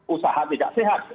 usaha tidak sehat